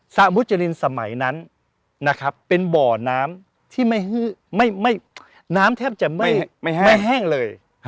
สะมุจจรินสมัยนั้นเป็นบ่อน้ำที่ไม่แห้งเลย